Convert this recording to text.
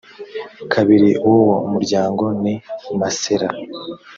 kabiri w uwo muryango ni masera